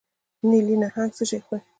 نیلي نهنګ څه شی خوري؟